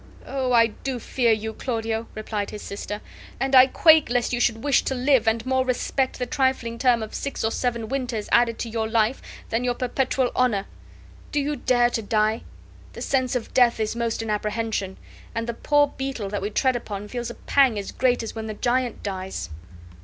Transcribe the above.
"Oh, I do fear you, Claudio!" replied his sister; "and I quake, lest you should wish to live, and more respect the trifling term of six or seven winters added to your life than your perpetual honor! Do you dare to die? The sense of death is most in apprehension, and the poor beetle that we tread upon feels a pang as great as when a giant dies."